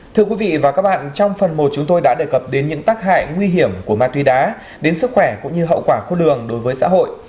thưa quý vị và các bạn trong phần một chúng tôi đã đề cập đến những tác hại nguy hiểm của ma túy đá đến sức khỏe cũng như hậu quả khôn lường đối với xã hội